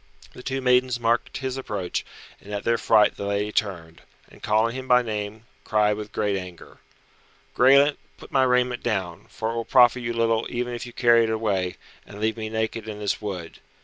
The two maidens marked his approach, and at their fright the lady turned, and calling him by name, cried with great anger, "Graelent, put my raiment down, for it will profit you little even if you carry it away, and leave me naked in this wood.